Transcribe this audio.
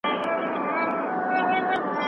تاسو کولای شئ چې مېوه د شاتو سره یو ځای وخورئ.